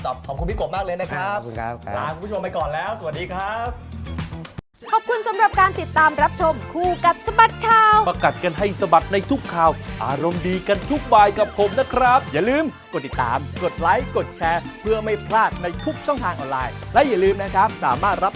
ตอบขอบคุณพี่กบมากเลยนะครับลากคุณผู้ชมไปก่อนแล้วสวัสดีครับขอบคุณครับ